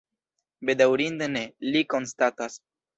Bedaŭrinde ne, li konstatas.